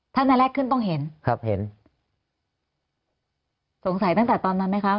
ถ้าในแรกขึ้นต้องเห็นครับเห็นสงสัยตั้งแต่ตอนนั้นไหมคะ